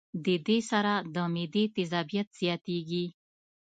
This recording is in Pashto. د دې سره د معدې تېزابيت زياتيږي